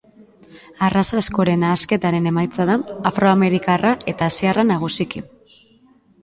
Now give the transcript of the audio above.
Arraza askoren nahasketaren emaitza da, afroamerikarra eta asiarra nagusiki.